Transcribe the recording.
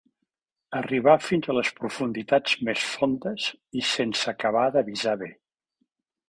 Arribar fins a les profunditats més fondes, i sense acabar d'avisar bé.